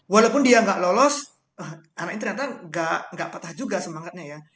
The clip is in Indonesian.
walaupun dia nggak lolos anak ini ternyata nggak patah juga semangatnya ya